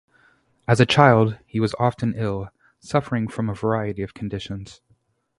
As a child, he was often ill, suffering from a variety of conditions.